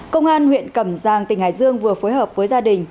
công an huyện cầm giang tỉnh hà giang vừa phối hợp với gia đình